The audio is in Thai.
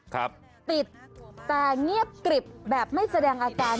ติดแต่เงียบกริบแบบไม่แสดงอาการ